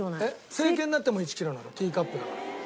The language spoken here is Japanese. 成犬になっても１キロなのティーカップだから。